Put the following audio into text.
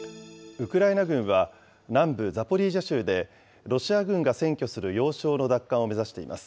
ウクライナ軍は、南部ザポリージャ州でロシア軍が占拠する要衝の奪還を目指しています。